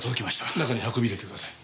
中に運び入れてください。